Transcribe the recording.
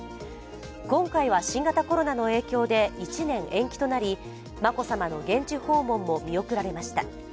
今回は新型コロナの影響で１年延期となり、眞子さまの現地訪問も見送られました。